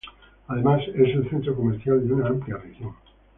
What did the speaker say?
Además es el centro comercial de una amplia región.